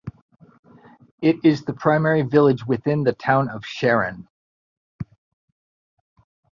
It is the primary village within the town of Sharon.